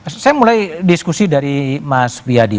saya mulai diskusi dari mas biadi